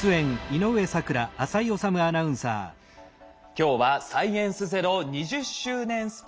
今日は「サイエンスＺＥＲＯ」２０周年ＳＰ。